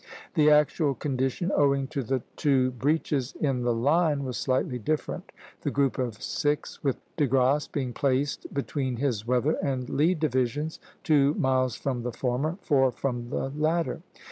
The actual condition, owing to the two breaches in the line, was slightly different; the group of six with De Grasse being placed between his weather and lee divisions, two miles from the former, four from the latter (D).